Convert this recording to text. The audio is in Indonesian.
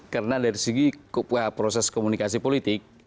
karena dari segi proses komunikasi politik